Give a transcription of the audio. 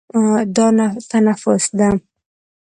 دا تنفس ده.